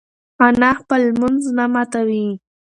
انا خپل لمونځ نه ماتوي.